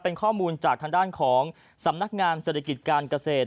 เป็นข้อมูลจากทางด้านของสำนักงานเศรษฐกิจการเกษตร